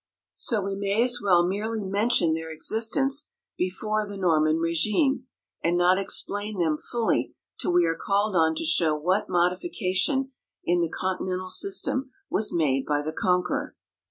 So we may as well merely mention their existence before the Norman régime, and not explain them fully till we are called on to show what modification in the continental system was made by the Conqueror.